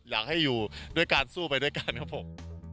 อยากให้อยู่ด้วยการสู้ไปด้วยกันครับผม